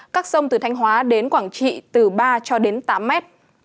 các sông từ thanh hóa đến quảng trị từ ba cho đến tám mét